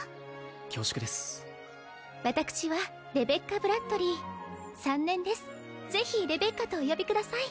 恐縮です私はレベッカ＝ブラッドリィ３年ですぜひレベッカとお呼びください